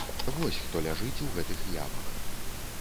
Вось хто ляжыць у гэтых ямах.